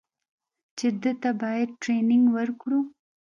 چې ده ته بايد ټرېننگ ورکړو.